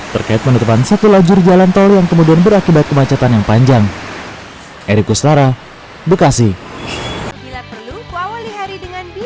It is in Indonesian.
terkait menutupkan satu lajur jalan tol yang kemudian berakibat kemanusiaan